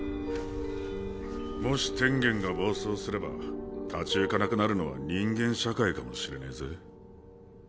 もし天元が暴走すれば立ち行かなくなるのは人間社会かもしれねぇぜ。